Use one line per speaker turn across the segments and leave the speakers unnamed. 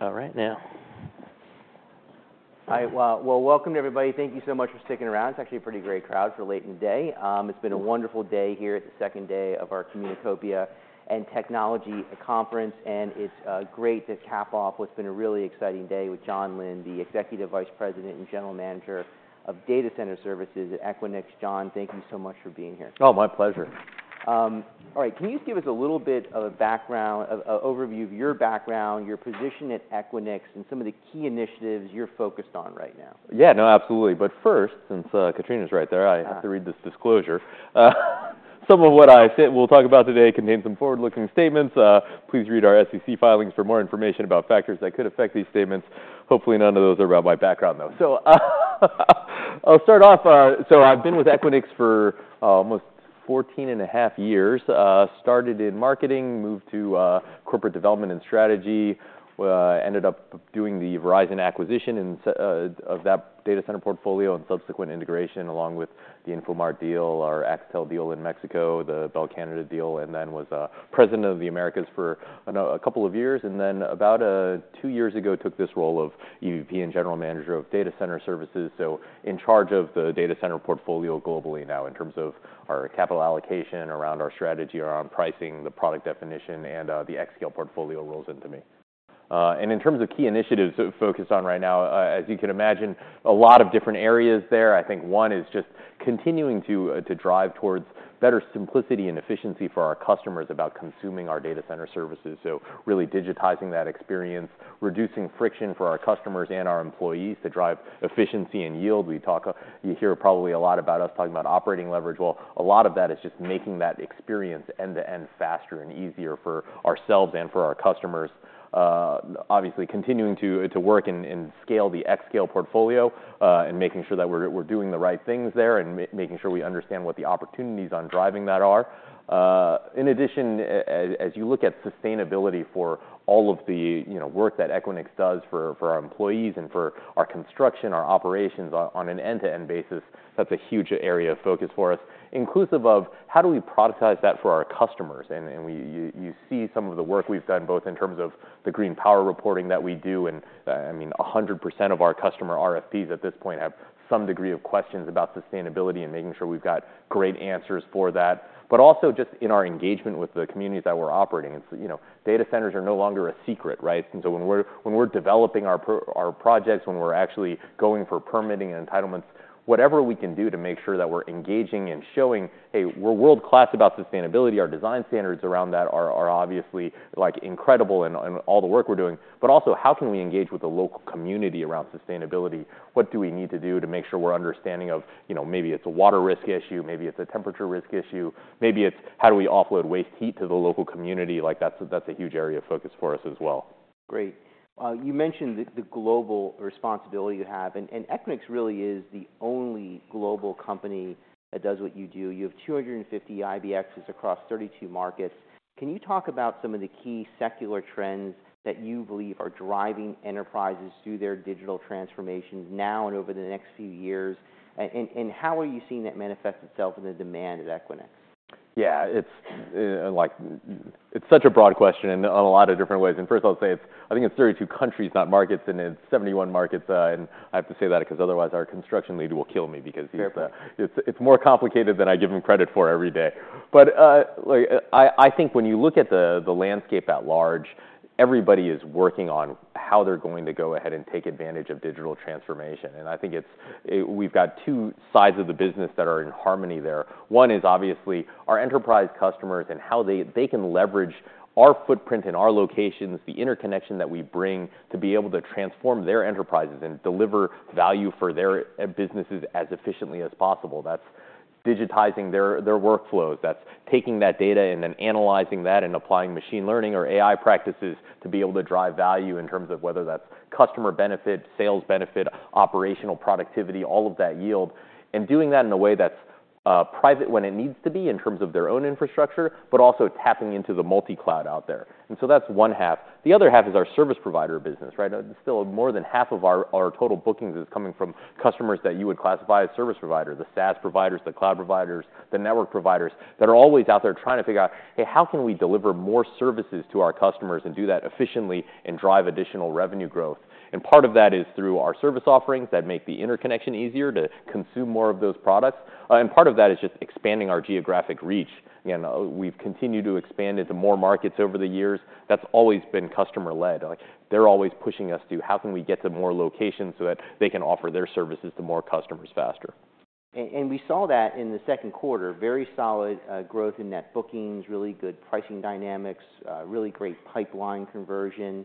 All right, now. Hi, well, well, welcome everybody. Thank you so much for sticking around. It's actually a pretty great crowd for late in the day. It's been a wonderful day here at the second day of our Communicopia and Technology Conference, and it's great to cap off what's been a really exciting day with Jon Lin, the Executive Vice President and General Manager of Data Center Services at Equinix. John, thank you so much for being here.
Oh, my pleasure.
All right. Can you just give us a little bit of a background or overview of your background, your position at Equinix, and some of the key initiatives you're focused on right now?
Yeah, no, absolutely. But first, since, Katrina's right there-
Uh...
I have to read this disclosure. Some of what I said we'll talk about today contains some forward-looking statements. Please read our SEC filings for more information about factors that could affect these statements. Hopefully, none of those are about my background, though. So I'll start off, so I've been with Equinix for almost 14.5 years. Started in marketing, moved to corporate development and strategy, ended up doing the Verizon acquisition and so of that data center portfolio and subsequent integration, along with the Infomart deal, our Axtel deal in Mexico, the Bell Canada deal, and then was President of the Americas for a couple of years. And then, about 2 years ago, took this role of EVP and General Manager of Data Center Services. So in charge of the data center portfolio globally now, in terms of our capital allocation, around our strategy, around pricing, the product definition, and, the xScale portfolio rolls into me. And in terms of key initiatives focused on right now, as you can imagine, a lot of different areas there. I think one is just continuing to drive towards better simplicity and efficiency for our customers about consuming our data center services. So really digitizing that experience, reducing friction for our customers and our employees to drive efficiency and yield. We talk. You hear probably a lot about us talking about operating leverage. Well, a lot of that is just making that experience end-to-end faster and easier for ourselves and for our customers. Obviously, continuing to work and scale the xScale portfolio, and making sure that we're doing the right things there, and making sure we understand what the opportunities on driving that are. In addition, as you look at sustainability for all of the work that Equinix does for our employees and for our construction, our operations on an end-to-end basis, that's a huge area of focus for us, inclusive of how do we productize that for our customers? And you see some of the work we've done, both in terms of the green power reporting that we do, and I mean, 100% of our customer RFPs at this point have some degree of questions about sustainability and making sure we've got great answers for that. But also just in our engagement with the communities that we're operating in. So, you know, data centers are no longer a secret, right? And so when we're developing our projects, when we're actually going for permitting and entitlements, whatever we can do to make sure that we're engaging and showing, "Hey, we're world-class about sustainability," our design standards around that are obviously, like, incredible and all the work we're doing. But also, how can we engage with the local community around sustainability? What do we need to do to make sure we're understanding of, you know, maybe it's a water risk issue, maybe it's a temperature risk issue, maybe it's how do we offload waste heat to the local community? Like, that's a huge area of focus for us as well.
Great. You mentioned the global responsibility you have, and Equinix really is the only global company that does what you do. You have 250 IBXs across 32 markets. Can you talk about some of the key secular trends that you believe are driving enterprises through their digital transformations now and over the next few years? And how are you seeing that manifest itself in the demand at Equinix?
Yeah, it's like it's such a broad question in a lot of different ways. First, I'll say, I think it's 32 countries, not markets, and it's 71 markets. And I have to say that because otherwise our construction lead will kill me because he's-
Fair...
it's, it's more complicated than I give him credit for every day. But, like, I think when you look at the landscape at large, everybody is working on how they're going to go ahead and take advantage of digital transformation, and I think it's we've got two sides of the business that are in harmony there. One is obviously our enterprise customers and how they can leverage our footprint and our locations, the interconnection that we bring, to be able to transform their enterprises and deliver value for their businesses as efficiently as possible. That's digitizing their workflows. That's taking that data and then analyzing that and applying machine learning or AI practices to be able to drive value in terms of whether that's customer benefit, sales benefit, operational productivity, all of that yield. And doing that in a way that's private when it needs to be in terms of their own infrastructure, but also tapping into the multi-cloud out there. And so that's one half. The other half is our service provider business, right? Still more than half of our total bookings is coming from customers that you would classify as service provider, the SaaS providers, the cloud providers, the network providers, that are always out there trying to figure out, "Hey, how can we deliver more services to our customers and do that efficiently and drive additional revenue growth?" And part of that is through our service offerings that make the interconnection easier to consume more of those products, and part of that is just expanding our geographic reach. Again, we've continued to expand into more markets over the years. That's always been customer-led. Like, they're always pushing us to: How can we get to more locations so that they can offer their services to more customers faster?
We saw that in the second quarter, very solid, growth in net bookings, really good pricing dynamics, really great pipeline conversion.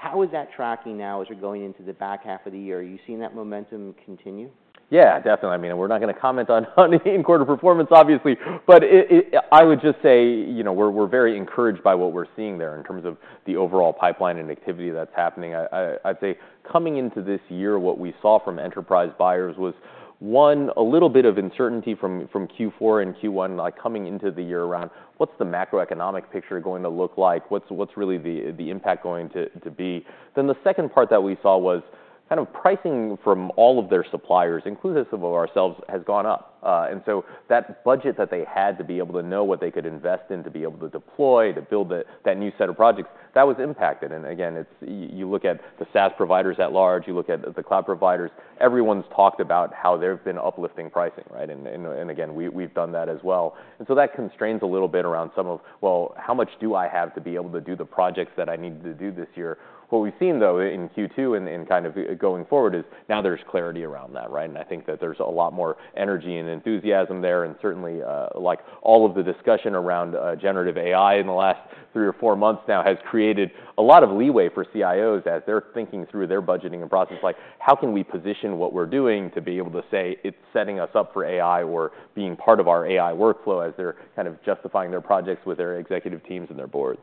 How is that tracking now as you're going into the back half of the year? Are you seeing that momentum continue?
Yeah, definitely. I mean, we're not going to comment on any quarter performance, obviously, but it, I would just say, you know, we're very encouraged by what we're seeing there in terms of the overall pipeline and activity that's happening. I'd say coming into this year, what we saw from enterprise buyers was, one, a little bit of uncertainty from Q4 and Q1, like, coming into the year around, What's the macroeconomic picture going to look like? What's really the impact going to be? Then, the second part that we saw was kind of pricing from all of their suppliers, inclusive of ourselves, has gone up. And so that budget that they had to be able to know what they could invest in, to be able to deploy, to build that new set of projects, that was impacted. And again, it's you look at the SaaS providers at large, you look at the cloud providers, everyone's talked about how they've been uplifting pricing, right? And again, we've done that as well. And so that constrains a little bit around some of, "Well, how much do I have to be able to do the projects that I need to do this year?" What we've seen, though, in Q2 and kind of going forward is now there's clarity around that, right? And I think that there's a lot more energy and enthusiasm there, and certainly, like, all of the discussion around Generative AI in the last three or four months now has created a lot of leeway for CIOs as they're thinking through their budgeting and process. Like, "How can we position what we're doing to be able to say it's setting us up for AI or being part of our AI workflow?" As they're kind of justifying their projects with their executive teams and their boards.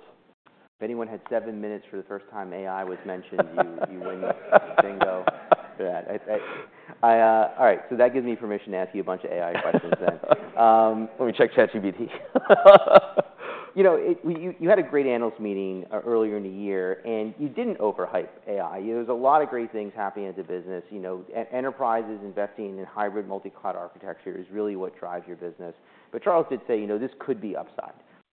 If anyone had seven minutes for the first time AI was mentioned, you win bingo. Yeah. All right, so that gives me permission to ask you a bunch of AI questions then. Let me check ChatGPT. You know, you had a great analyst meeting earlier in the year, and you didn't overhype AI. There was a lot of great things happening as a business. You know, enterprise is investing in Hybrid Multi-Cloud architecture is really what drives your business. But Charles did say, "You know, this could be upside."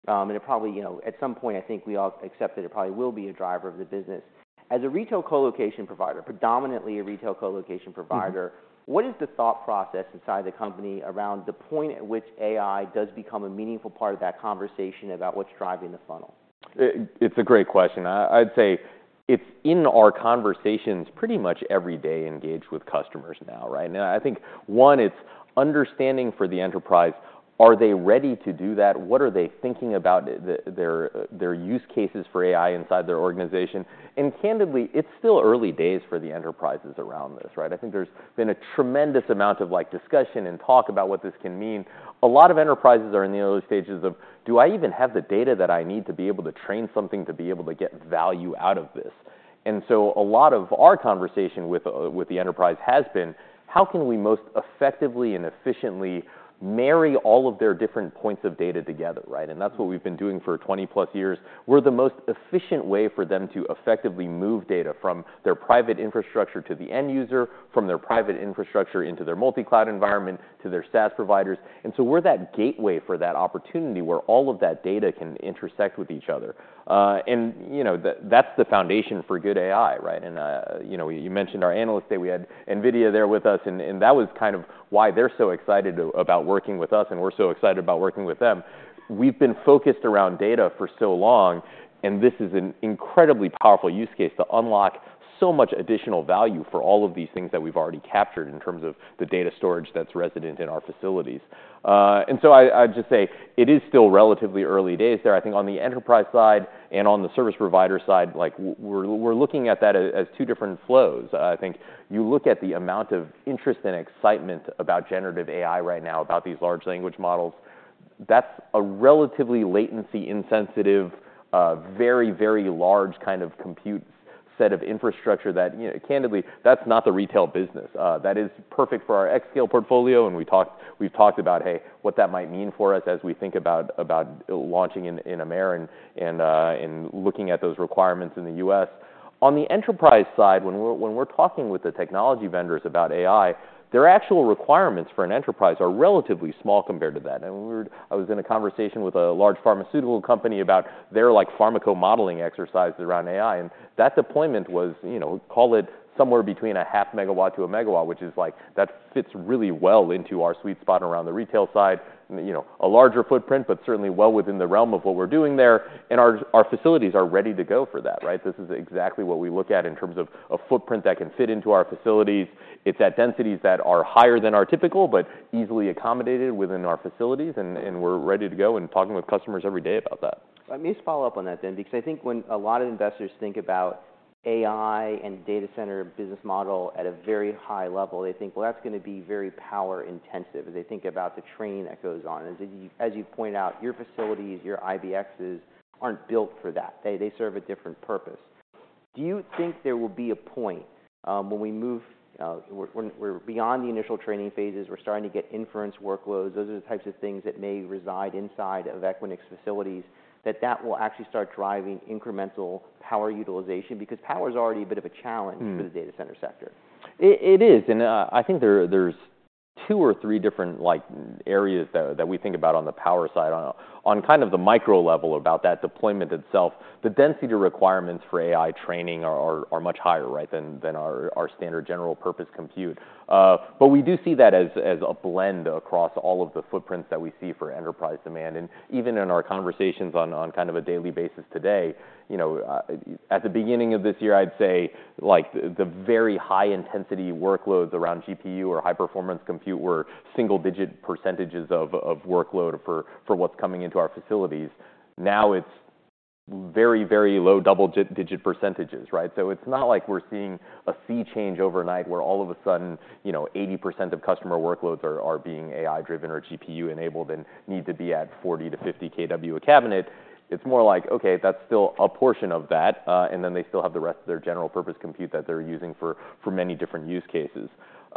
And it probably, you know, at some point, I think we all accept that it probably will be a driver of the business. As a retail colocation provider, predominantly a retail colocation provider-
Mm-hmm...
what is the thought process inside the company around the point at which AI does become a meaningful part of that conversation about what's driving the funnel?
It's a great question. I'd say it's in our conversations pretty much every day, engaged with customers now, right? Now, I think, one, it's understanding for the enterprise, are they ready to do that? What are they thinking about their use cases for AI inside their organization? And candidly, it's still early days for the enterprises around this, right? I think there's been a tremendous amount of, like, discussion and talk about what this can mean. A lot of enterprises are in the early stages of, "Do I even have the data that I need to be able to train something to be able to get value out of this?" And so a lot of our conversation with the enterprise has been: How can we most effectively and efficiently marry all of their different points of data together, right? That's what we've been doing for 20+ years. We're the most efficient way for them to effectively move data from their private infrastructure to the end user, from their private infrastructure into their multi-cloud environment, to their SaaS providers. So we're that gateway for that opportunity, where all of that data can intersect with each other. And, you know, that, that's the foundation for good AI, right? And, you know, you mentioned our analyst day. We had NVIDIA there with us, and that was kind of why they're so excited about working with us, and we're so excited about working with them. We've been focused around data for so long, and this is an incredibly powerful use case to unlock so much additional value for all of these things that we've already captured in terms of the data storage that's resident in our facilities. And so I, I'd just say it is still relatively early days there. I think on the enterprise side and on the service provider side, like, we're looking at that as two different flows. I think you look at the amount of interest and excitement about generative AI right now, about these large language models, that's a relatively latency-insensitive, very, very large kind of compute set of infrastructure that, you know, candidly, that's not the retail business. That is perfect for our xScale portfolio, and we've talked about, hey, what that might mean for us as we think about launching in Americas and looking at those requirements in the U.S. On the enterprise side, when we're talking with the technology vendors about AI, their actual requirements for an enterprise are relatively small compared to that. I was in a conversation with a large pharmaceutical company about their like pharmaco modeling exercises around AI, and that deployment was, you know, call it somewhere between 0.5 MW-1 MW, which is like, that fits really well into our sweet spot around the retail side. You know, a larger footprint, but certainly well within the realm of what we're doing there, and our facilities are ready to go for that, right? This is exactly what we look at in terms of a footprint that can fit into our facilities. It's at densities that are higher than our typical, but easily accommodated within our facilities, and we're ready to go and talking with customers every day about that.
Let me just follow up on that then, because I think when a lot of investors think about AI and data center business model at a very high level, they think, "Well, that's going to be very power intensive," as they think about the train that goes on. As you, as you point out, your facilities, your IBXs, aren't built for that. They, they serve a different purpose. Do you think there will be a point, when we move, when we're beyond the initial training phases, we're starting to get inference workloads, those are the types of things that may reside inside of Equinix facilities, that that will actually start driving incremental power utilization? Because power is already a bit of a challenge-
Mm...
for the data center sector.
It is, and I think there are two or three different, like, areas that we think about on the power side. On kind of the micro level about that deployment itself, the density requirements for AI training are much higher, right, than our standard general purpose compute. But we do see that as a blend across all of the footprints that we see for enterprise demand, and even in our conversations on kind of a daily basis today, you know, at the beginning of this year, I'd say, like, the very high-intensity workloads around GPU or high-performance compute were single-digit percentages of workload for what's coming into our facilities. Now, it's very low double-digit percentages, right? So it's not like we're seeing a sea change overnight, where all of a sudden, you know, 80% of customer workloads are being AI-driven or GPU-enabled and need to be at 40-50 kW a cabinet. It's more like, okay, that's still a portion of that, and then they still have the rest of their general purpose compute that they're using for many different use cases.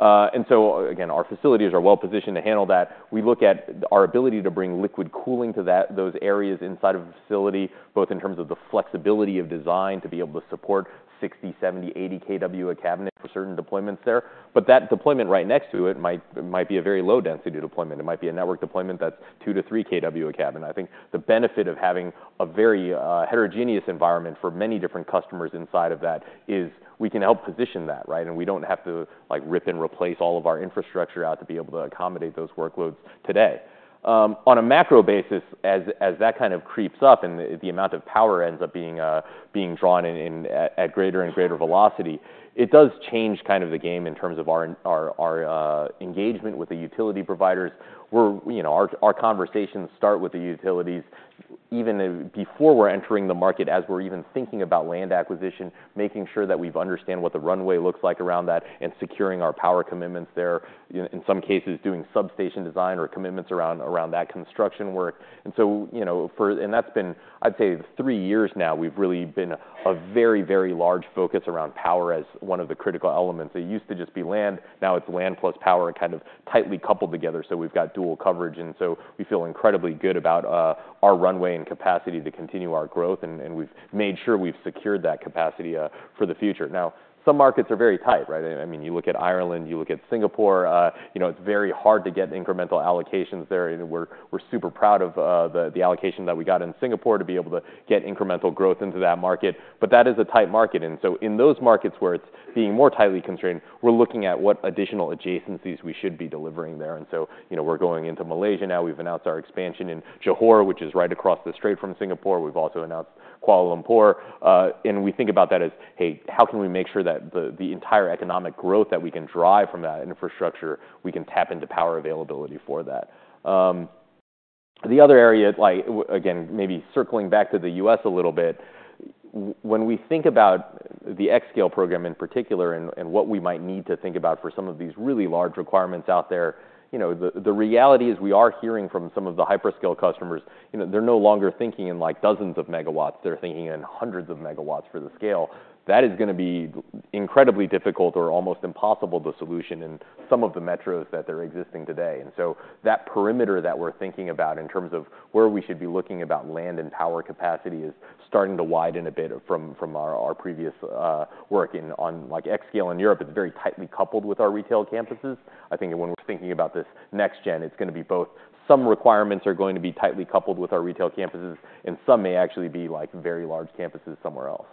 And so, again, our facilities are well-positioned to handle that. We look at our ability to bring liquid cooling to those areas inside of a facility, both in terms of the flexibility of design, to be able to support 60, 70, 80 kW a cabinet for certain deployments there. But that deployment right next to it might be a very low-density deployment. It might be a network deployment that's 2-3 kW a cabinet. I think the benefit of having a very heterogeneous environment for many different customers inside of that is we can help position that, right? And we don't have to, like, rip and replace all of our infrastructure out to be able to accommodate those workloads today. On a macro basis, as that kind of creeps up and the amount of power ends up being drawn in at greater and greater velocity, it does change kind of the game in terms of our engagement with the utility providers. You know, our conversations start with the utilities, even before we're entering the market, as we're even thinking about land acquisition, making sure that we understand what the runway looks like around that and securing our power commitments there. You know, in some cases, doing substation design or commitments around that construction work. And so, you know, and that's been, I'd say, three years now, we've really been a very, very large focus around power as one of the critical elements. It used to just be land, now it's land plus power, kind of tightly coupled together, so we've got dual coverage. And so we feel incredibly good about our runway and capacity to continue our growth, and we've made sure we've secured that capacity for the future. Now, some markets are very tight, right? I mean, you look at Ireland, you look at Singapore, you know, it's very hard to get incremental allocations there, and we're super proud of the allocation that we got in Singapore to be able to get incremental growth into that market. But that is a tight market, and so in those markets where it's being more tightly constrained, we're looking at what additional adjacencies we should be delivering there. And so, you know, we're going into Malaysia now. We've announced our expansion in Johor, which is right across the strait from Singapore. We've also announced Kuala Lumpur, and we think about that as, hey, how can we make sure that the entire economic growth that we can drive from that infrastructure, we can tap into power availability for that? The other area, like, again, maybe circling back to the U.S. a little bit, when we think about the xScale program in particular, and what we might need to think about for some of these really large requirements out there, you know, the reality is we are hearing from some of the hyperscale customers, you know, they're no longer thinking in, like, dozens of megawatts. They're thinking in hundreds of megawatts for the scale. That is gonna be incredibly difficult or almost impossible to solution in some of the metros that are existing today. And so that perimeter that we're thinking about in terms of where we should be looking about land and power capacity is starting to widen a bit from our previous work on, like, xScale in Europe. It's very tightly coupled with our retail campuses. I think when we're thinking about this next gen, it's gonna be both... Some requirements are going to be tightly coupled with our retail campuses, and some may actually be, like, very large campuses somewhere else,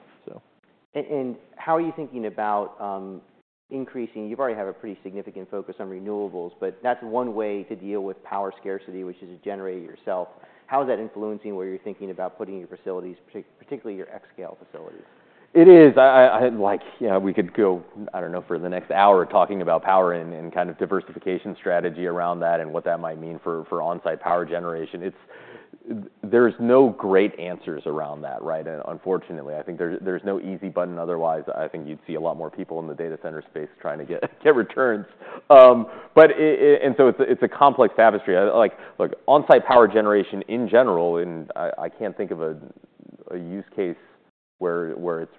so.
And how are you thinking about increasing, you've already had a pretty significant focus on renewables, but that's one way to deal with power scarcity, which is to generate it yourself. How is that influencing where you're thinking about putting your facilities, particularly your xScale facilities?
It is. I'd like, you know, we could go, I don't know, for the next hour talking about power and kind of diversification strategy around that and what that might mean for on-site power generation. It's. There's no great answers around that, right? And unfortunately, I think there's no easy button. Otherwise, I think you'd see a lot more people in the data center space trying to get returns. But it, and so it's a complex tapestry. Like on-site power generation in general, and I can't think of a use case where it's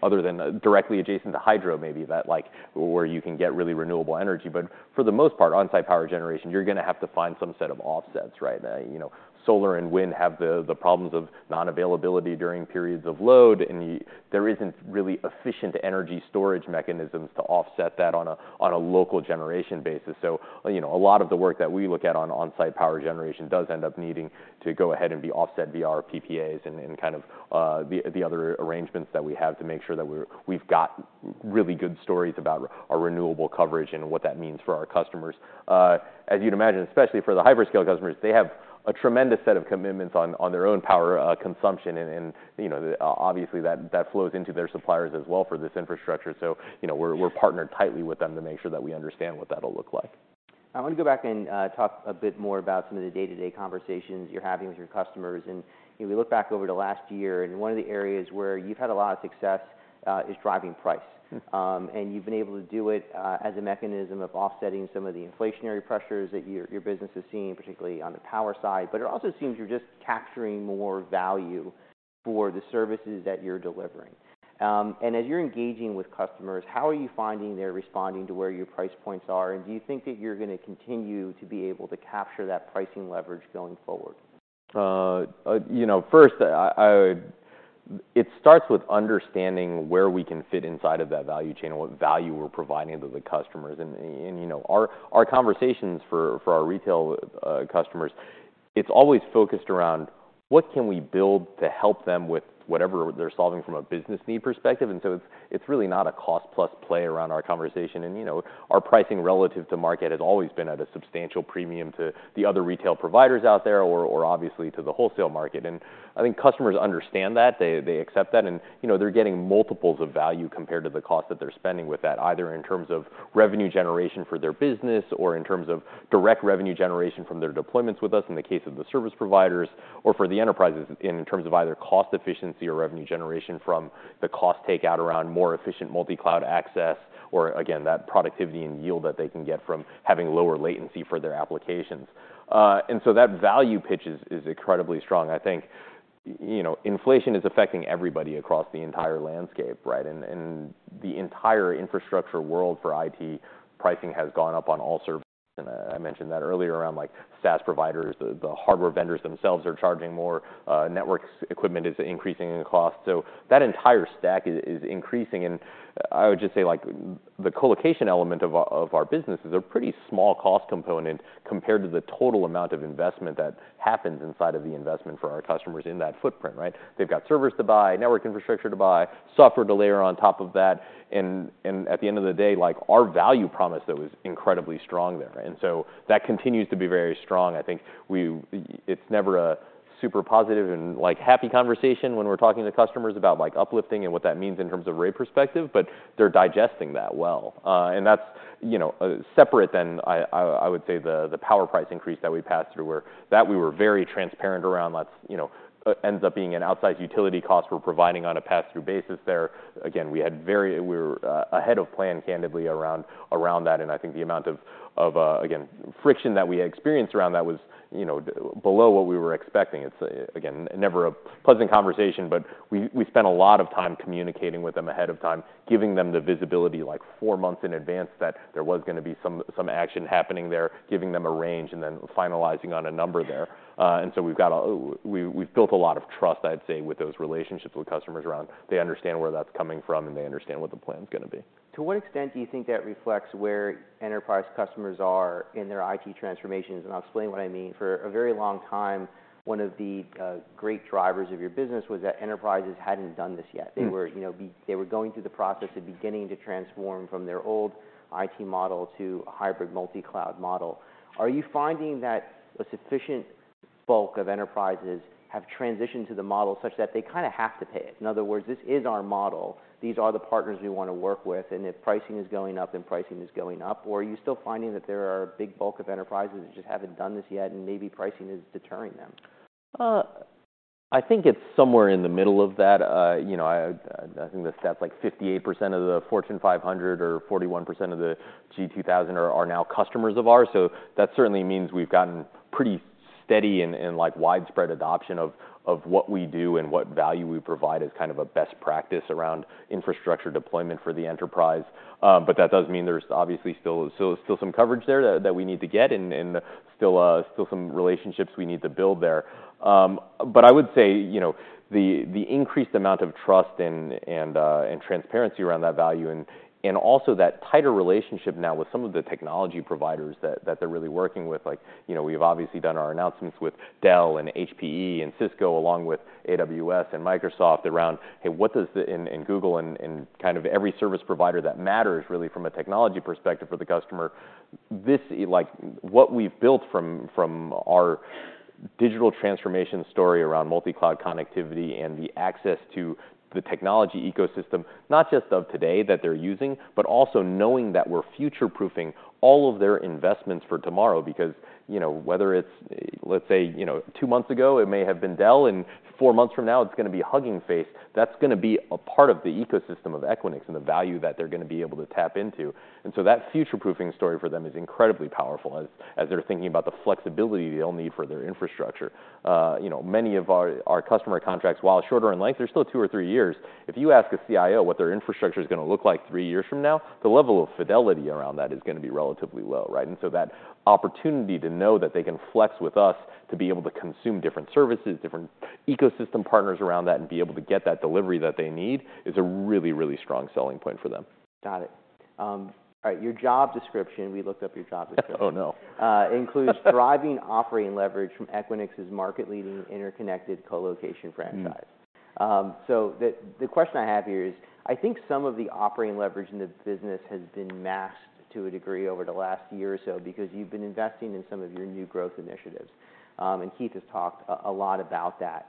other than directly adjacent to hydro, maybe that, like where you can get really renewable energy. But for the most part, on-site power generation, you're gonna have to find some set of offsets, right? You know, solar and wind have the problems of non-availability during periods of load, and there isn't really efficient energy storage mechanisms to offset that on a local generation basis. So, you know, a lot of the work that we look at on-site power generation does end up needing to go ahead and be offset via our PPAs and kind of the other arrangements that we have to make sure that we've got really good stories about our renewable coverage and what that means for our customers. As you'd imagine, especially for the hyperscale customers, they have a tremendous set of commitments on their own power consumption. And you know, obviously, that flows into their suppliers as well for this infrastructure. You know, we're partnered tightly with them to make sure that we understand what that'll look like.
I want to go back and talk a bit more about some of the day-to-day conversations you're having with your customers. And if we look back over the last year, and one of the areas where you've had a lot of success is driving price.
Mm.
You've been able to do it as a mechanism of offsetting some of the inflationary pressures that your, your business is seeing, particularly on the power side. But it also seems you're just capturing more value for the services that you're delivering. As you're engaging with customers, how are you finding they're responding to where your price points are, and do you think that you're gonna continue to be able to capture that pricing leverage going forward?
You know, first, it starts with understanding where we can fit inside of that value chain and what value we're providing to the customers. And you know, our conversations for our retail customers, it's always focused around: What can we build to help them with whatever they're solving from a business need perspective? And so it's really not a cost-plus play around our conversation. And you know, our pricing relative to market has always been at a substantial premium to the other retail providers out there or obviously to the wholesale market. And I think customers understand that, they, they accept that, and, you know, they're getting multiples of value compared to the cost that they're spending with that, either in terms of revenue generation for their business or in terms of direct revenue generation from their deployments with us, in the case of the service providers, or for the enterprises, in terms of either cost efficiency or revenue generation from the cost takeout around more efficient multi-cloud access, or again, that productivity and yield that they can get from having lower latency for their applications. And so that value pitch is incredibly strong. I think you know, inflation is affecting everybody across the entire landscape, right? And the entire infrastructure world for IT, pricing has gone up on all services, and I mentioned that earlier around, like, SaaS providers. The hardware vendors themselves are charging more. Network equipment is increasing in cost. So that entire stack is increasing, and I would just say, like, the colocation element of our business is a pretty small cost component compared to the total amount of investment that happens inside of the investment for our customers in that footprint, right? They've got servers to buy, network infrastructure to buy, software to layer on top of that, and at the end of the day, like, our value promise, though, is incredibly strong there. And so that continues to be very strong. I think it's never a super positive and, like, happy conversation when we're talking to customers about, like, uplifting and what that means in terms of rate perspective, but they're digesting that well. And that's, you know, separate than I would say the power price increase that we passed through, where that we were very transparent around. That's, you know, ends up being an outsized utility cost we're providing on a pass-through basis there. Again, we had very. We were ahead of plan, candidly, around that, and I think the amount of again friction that we had experienced around that was, you know, below what we were expecting. It's, again, never a pleasant conversation, but we spent a lot of time communicating with them ahead of time, giving them the visibility, like, four months in advance, that there was gonna be some action happening there, giving them a range, and then finalizing on a number there. And so we've built a lot of trust, I'd say, with those relationships with customers around. They understand where that's coming from, and they understand what the plan's gonna be.
To what extent do you think that reflects where enterprise customers are in their IT transformations? And I'll explain what I mean. For a very long time, one of the great drivers of your business was that enterprises hadn't done this yet.
Mm.
They were, you know, they were going through the process of beginning to transform from their old IT model to a hybrid multi-cloud model. Are you finding that a sufficient bulk of enterprises have transitioned to the model such that they kind of have to pay it? In other words, this is our model, these are the partners we want to work with, and if pricing is going up, then pricing is going up. Or are you still finding that there are a big bulk of enterprises that just haven't done this yet, and maybe pricing is deterring them?
I think it's somewhere in the middle of that. You know, I think the stat's like 58% of the Fortune 500 or 41% of the G 2000 are now customers of ours. So that certainly means we've gotten pretty steady and like widespread adoption of what we do and what value we provide as kind of a best practice around infrastructure deployment for the enterprise. But that does mean there's obviously still some coverage there that we need to get, and still some relationships we need to build there. But I would say, you know, the increased amount of trust and transparency around that value and also that tighter relationship now with some of the technology providers that they're really working with. Like, you know, we've obviously done our announcements with Dell and HPE and Cisco, along with AWS and Microsoft, around, hey, what does the... and, and Google and, and kind of every service provider that matters, really, from a technology perspective for the customer. This, like, what we've built from, from our digital transformation story around multi-cloud connectivity and the access to the technology ecosystem, not just of today that they're using, but also knowing that we're future-proofing all of their investments for tomorrow. Because, you know, whether it's, let's say, you know, two months ago it may have been Dell, and four months from now it's gonna be Hugging Face, that's gonna be a part of the ecosystem of Equinix and the value that they're gonna be able to tap into. And so that future-proofing story for them is incredibly powerful as, as they're thinking about the flexibility they'll need for their infrastructure. You know, many of our customer contracts, while shorter in length, they're still 2 or 3 years. If you ask a CIO what their infrastructure is gonna look like 3 years from now, the level of fidelity around that is gonna be relatively low, right? And so that opportunity to know that they can flex with us to be able to consume different services, different ecosystem partners around that, and be able to get that delivery that they need, is a really, really strong selling point for them.
Got it. All right, your job description, we looked up your job description-
Oh, no.
includes driving operating leverage from Equinix's market-leading interconnected colocation franchise.
Mm.
So the question I have here is, I think some of the operating leverage in the business has been masked to a degree over the last year or so because you've been investing in some of your new growth initiatives. Keith has talked a lot about that.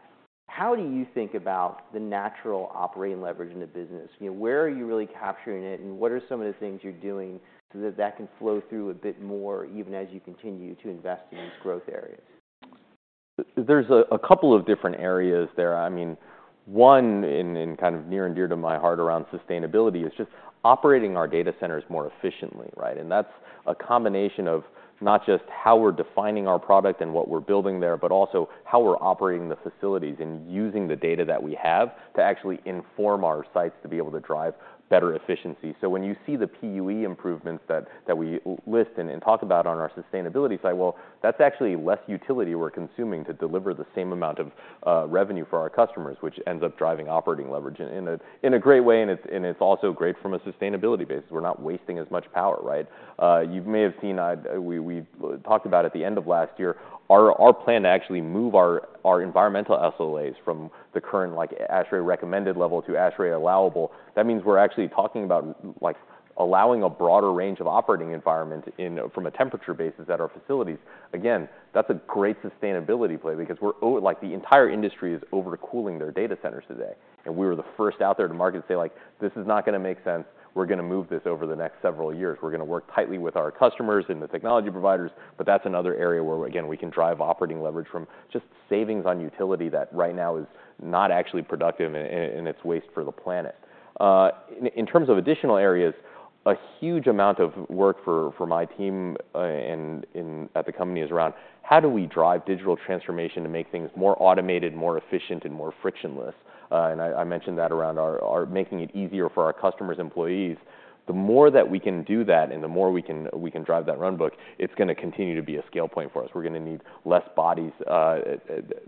How do you think about the natural operating leverage in the business? You know, where are you really capturing it, and what are some of the things you're doing so that that can flow through a bit more, even as you continue to invest in-
Mm...
these growth areas?
There's a couple of different areas there. I mean, one, kind of near and dear to my heart around sustainability, is just operating our data centers more efficiently, right? And that's a combination of not just how we're defining our product and what we're building there, but also how we're operating the facilities and using the data that we have to actually inform our sites to be able to drive better efficiency. So when you see the PUE improvements that we list and talk about on our sustainability site, well, that's actually less utility we're consuming to deliver the same amount of revenue for our customers, which ends up driving operating leverage in a great way, and it's also great from a sustainability basis. We're not wasting as much power, right? You may have seen, we've talked about at the end of last year, our plan to actually move our environmental SLAs from the current, like, ASHRAE-recommended level to ASHRAE allowable. That means we're actually talking about, like, allowing a broader range of operating environment from a temperature basis at our facilities. Again, that's a great sustainability play because we're like, the entire industry is overcooling their data centers today, and we were the first out there to market and say, like: "This is not gonna make sense. We're gonna move this over the next several years. We're gonna work tightly with our customers and the technology providers." But that's another area where, again, we can drive operating leverage from just savings on utility that right now is not actually productive, and it's waste for the planet. In terms of additional areas. A huge amount of work for my team, and at the company is around how do we drive digital transformation to make things more automated, more efficient, and more frictionless? And I mentioned that around our making it easier for our customers' employees. The more that we can do that and the more we can drive that runbook, it's gonna continue to be a scale point for us. We're gonna need less bodies,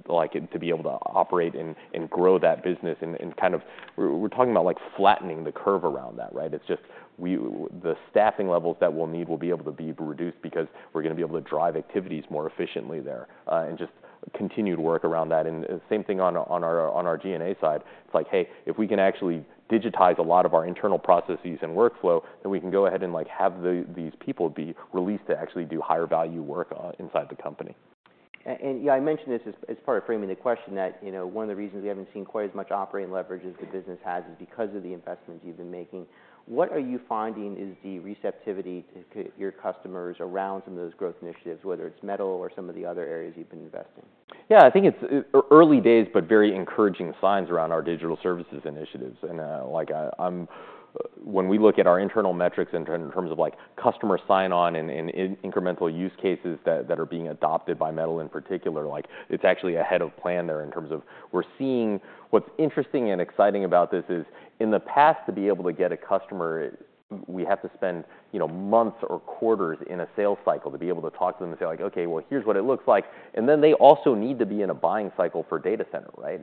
like, to be able to operate and grow that business and kind of, we're talking about, like, flattening the curve around that, right? It's just the staffing levels that we'll need will be able to be reduced because we're gonna be able to drive activities more efficiently there, and just continue to work around that. And same thing on our GNA side. It's like, hey, if we can actually digitize a lot of our internal processes and workflow, then we can go ahead and, like, have these people be released to actually do higher value work inside the company.
Yeah, I mentioned this as part of framing the question, that, you know, one of the reasons we haven't seen quite as much operating leverage as the business has is because of the investments you've been making. What are you finding is the receptivity to your customers around some of those growth initiatives, whether it's Metal or some of the other areas you've been investing?
Yeah, I think it's early days, but very encouraging signs around our digital services initiatives. And, like, when we look at our internal metrics in terms of like customer sign-on and incremental use cases that are being adopted by Metal in particular, like, it's actually ahead of plan there in terms of we're seeing... What's interesting and exciting about this is, in the past, to be able to get a customer, we have to spend, you know, months or quarters in a sales cycle to be able to talk to them and say, like, "Okay, well, here's what it looks like." And then they also need to be in a buying cycle for data center, right?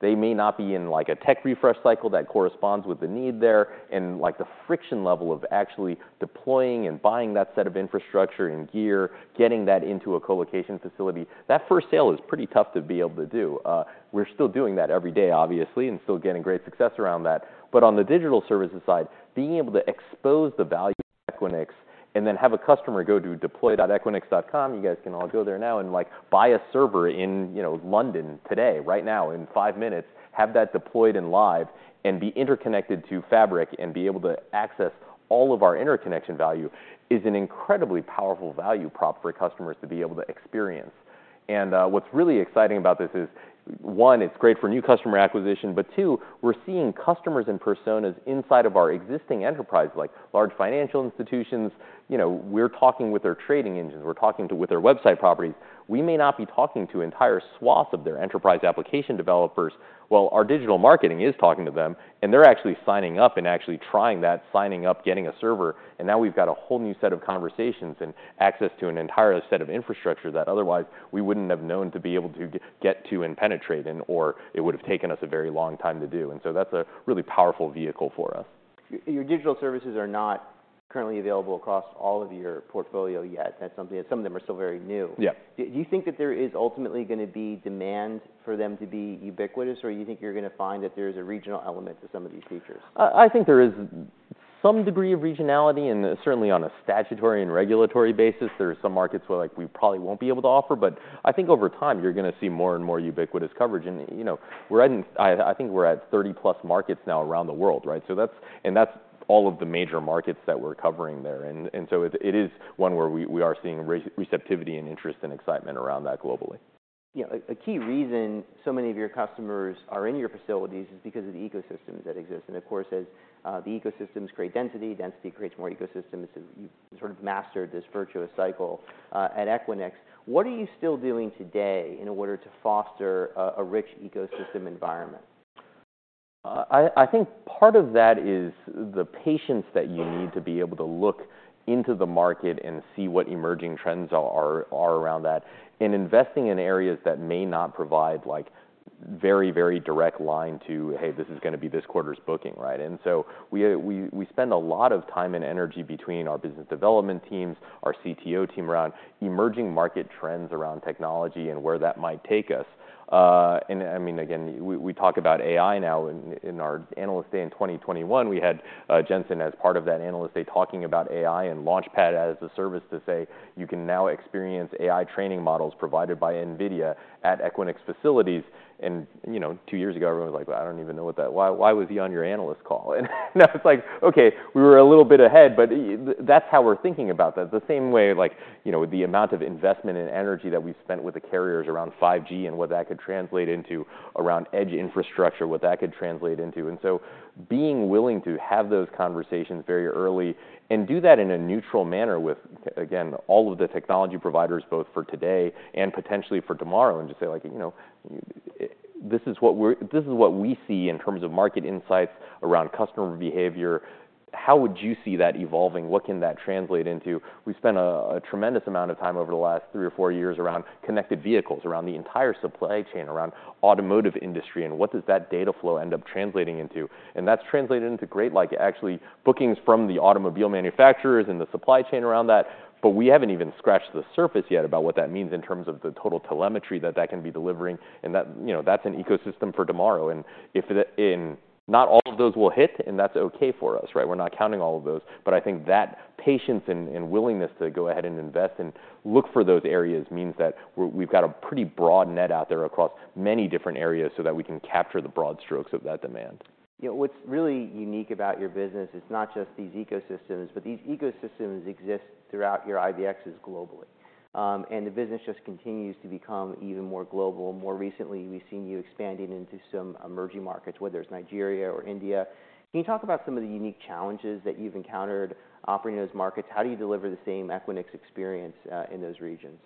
They may not be in, like, a tech refresh cycle that corresponds with the need there, and, like, the friction level of actually deploying and buying that set of infrastructure and gear, getting that into a colocation facility, that first sale is pretty tough to be able to do. We're still doing that every day, obviously, and still getting great success around that. But on the digital services side, being able to expose the value of Equinix and then have a customer go to deploy.equinix.com, you guys can all go there now, and, like, buy a server in, you know, London today, right now, in five minutes, have that deployed and live, and be interconnected to Fabric and be able to access all of our interconnection value, is an incredibly powerful value prop for customers to be able to experience. What's really exciting about this is, one, it's great for new customer acquisition, but two, we're seeing customers and personas inside of our existing enterprise, like large financial institutions. You know, we're talking with their trading engines, we're talking with their website properties. We may not be talking to entire swaths of their enterprise application developers. Well, our digital marketing is talking to them, and they're actually signing up and actually trying that, signing up, getting a server, and now we've got a whole new set of conversations and access to an entire set of infrastructure that otherwise we wouldn't have known to be able to get, get to and penetrate in, or it would've taken us a very long time to do. And so that's a really powerful vehicle for us.
Your digital services are not currently available across all of your portfolio yet. That's something... and some of them are still very new.
Yeah.
Do you think that there is ultimately gonna be demand for them to be ubiquitous, or you think you're gonna find that there's a regional element to some of these features?
I think there is some degree of regionality, and certainly on a statutory and regulatory basis, there are some markets where, like, we probably won't be able to offer. But I think over time, you're gonna see more and more ubiquitous coverage. And, you know, I think we're at 30+ markets now around the world, right? So that's and that's all of the major markets that we're covering there. And so it is one where we are seeing receptivity and interest and excitement around that globally.
Yeah, a key reason so many of your customers are in your facilities is because of the ecosystems that exist. And of course, as the ecosystems create density, density creates more ecosystems. You've sort of mastered this virtuous cycle at Equinix. What are you still doing today in order to foster a rich ecosystem environment?
I think part of that is the patience that you need to be able to look into the market and see what emerging trends are around that, and investing in areas that may not provide, like, very, very direct line to, "Hey, this is gonna be this quarter's booking," right? And so we spend a lot of time and energy between our business development teams, our CTO team around emerging market trends around technology and where that might take us. And I mean, again, we talk about AI now. In our Analyst Day in 2021, we had Jensen, as part of that Analyst Day, talking about AI and LaunchPad as a service to say, "You can now experience AI training models provided by NVIDIA at Equinix facilities." And, you know, two years ago, everyone was like: "Well, I don't even know what that... Why, why was he on your analyst call?" And now it's like, okay, we were a little bit ahead, but that's how we're thinking about that. The same way, like, you know, with the amount of investment and energy that we've spent with the carriers around 5G and what that could translate into, around edge infrastructure, what that could translate into. Being willing to have those conversations very early and do that in a neutral manner with, again, all of the technology providers, both for today and potentially for tomorrow, and just say, like, you know, "This is what we see in terms of market insights around customer behavior. How would you see that evolving? What can that translate into?" We've spent a tremendous amount of time over the last three or four years around connected vehicles, around the entire supply chain, around automotive industry, and what does that data flow end up translating into? And that's translated into great, like, actually, bookings from the automobile manufacturers and the supply chain around that, but we haven't even scratched the surface yet about what that means in terms of the total telemetry that that can be delivering, and that, you know, that's an ecosystem for tomorrow. And if it, and not all of those will hit, and that's okay for us, right? We're not counting all of those. But I think that patience and, and willingness to go ahead and invest and look for those areas means that we're—we've got a pretty broad net out there across many different areas so that we can capture the broad strokes of that demand.
You know, what's really unique about your business is not just these ecosystems, but these ecosystems exist throughout your IBXs globally. And the business just continues to become even more global. More recently, we've seen you expanding into some emerging markets, whether it's Nigeria or India. Can you talk about some of the unique challenges that you've encountered operating in those markets? How do you deliver the same Equinix experience in those regions?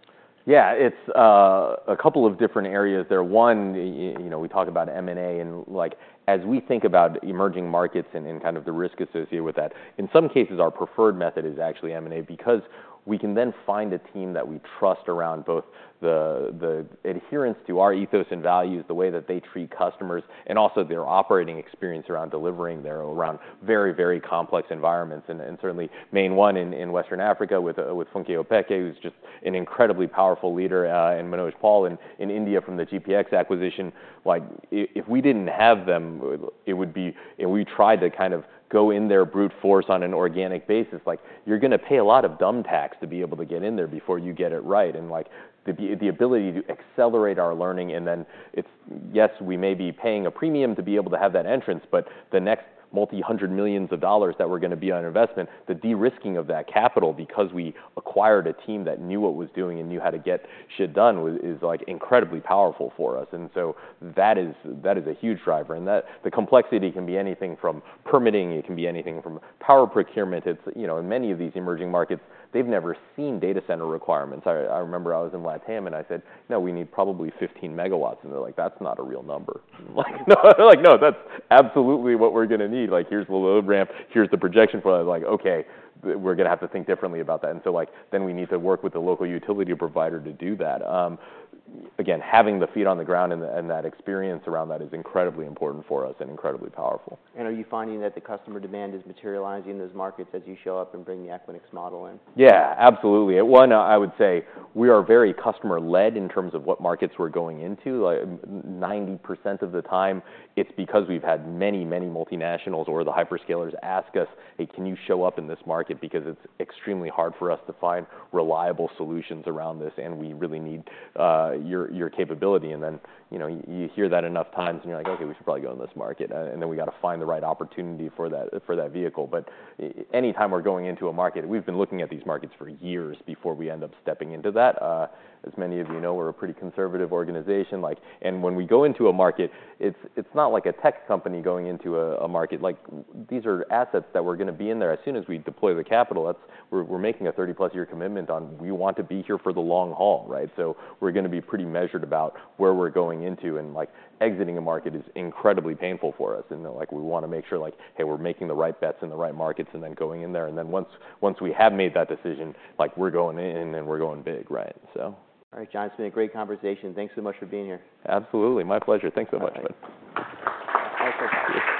Yeah, it's a couple of different areas there. One, you know, we talk about M&A, and, like, as we think about emerging markets and kind of the risk associated with that, in some cases, our preferred method is actually M&A, because we can then find a team that we trust around both the adherence to our ethos and values, the way that they treat customers, and also their operating experience around delivering there in very, very complex environments. And certainly, MainOne in Western Africa with Funke Opeke, who's just an incredibly powerful leader, and Manoj Paul in India from the GPX acquisition. Like, if we didn't have them, it would be—if we tried to kind of go in there brute force on an organic basis, like, you're gonna pay a lot of tax to be able to get in there before you get it right. And like, the ability to accelerate our learning, and then it's—yes, we may be paying a premium to be able to have that entrance, but the next multi-hundred millions of dollars that we're gonna be on investment, the de-risking of that capital, because we acquired a team that knew what it was doing and knew how to get done, was, is like incredibly powerful for us. And so that is, that is a huge driver, and the complexity can be anything from permitting, it can be anything from power procurement. It's, you know, in many of these emerging markets, they've never seen data center requirements. I, I remember I was in Latam, and I said, "No, we need probably 15 MW." And they're like: "That's not a real number." I'm like, "No," they're like, "No, that's absolutely what we're gonna need. Like, here's the load ramp, here's the projection for that." I was like: Okay, we're gonna have to think differently about that. And so, like, then we need to work with the local utility provider to do that. Again, having the feet on the ground and, and that experience around that is incredibly important for us and incredibly powerful.
Are you finding that the customer demand is materializing in those markets as you show up and bring the Equinix model in?
Yeah, absolutely. One, I would say we are very customer-led in terms of what markets we're going into. Like, 90% of the time, it's because we've had many, many multinationals or the hyperscalers ask us, "Hey, can you show up in this market? Because it's extremely hard for us to find reliable solutions around this, and we really need your capability." And then, you know, you hear that enough times, and you're like, "Okay, we should probably go in this market." And then we got to find the right opportunity for that, for that vehicle. But anytime we're going into a market, we've been looking at these markets for years before we end up stepping into that. As many of you know, we're a pretty conservative organization, like. And when we go into a market, it's not like a tech company going into a market. Like, these are assets that we're gonna be in there. As soon as we deploy the capital, that's we're making a 30+ year commitment on, we want to be here for the long haul, right? So we're gonna be pretty measured about where we're going into, and, like, exiting a market is incredibly painful for us, and, like, we wanna make sure, like, hey, we're making the right bets in the right markets, and then going in there. And then once we have made that decision, like, we're going in, and we're going big, right? So...
All right, John, it's been a great conversation. Thanks so much for being here.
Absolutely. My pleasure. Thanks so much, bud.